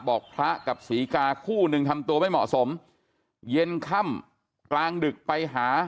พระกับศรีกาคู่หนึ่งทำตัวไม่เหมาะสมเย็นค่ำกลางดึกไปหา